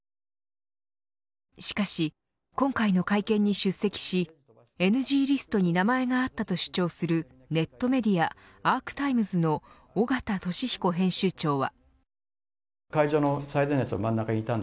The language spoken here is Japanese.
しかし、今回の会見に出席しＮＧリストに名前があったと主張するネットメディアアークタイムズの尾形聡彦編集長は。